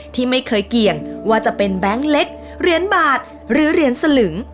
ที่ไม่เคยเกี่ยงว่าจะเป็นแบงค์เล็กเหรียญบาทหรือเหรียญสลึง